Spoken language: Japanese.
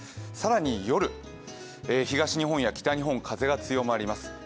更に夜、東日本や北日本、風が強まります。